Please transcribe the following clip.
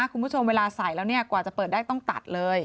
คุณผู้ชมเวลาใส่แล้วกว่าจะเปิดได้ต้องตัดเลย